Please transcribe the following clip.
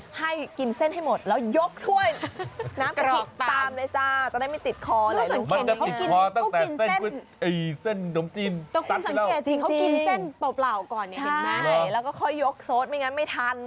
แนะนำให้กินเส้นให้หมดและยกถ้วยน้ำกะทิตามเลยจ้า